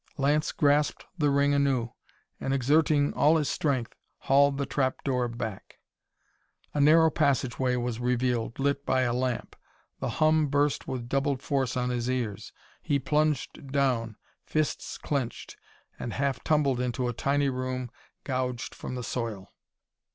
Lance grasped the ring anew, and, exerting all his strength, hauled the trap door back. A narrow passageway was revealed, lit by a lamp. The hum burst with doubled force on his ears. He plunged down, fists clenched, and half tumbled into a tiny room gouged from the soil.